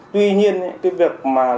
tuy nhiên lãi suất quy định trong hợp đồng